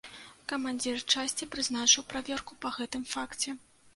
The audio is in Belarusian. Камандзір часці прызначыў праверку па гэтым факце.